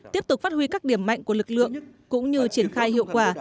tiếp tục phát huy các điểm mạnh của lực lượng cũng như triển khai hiệu quả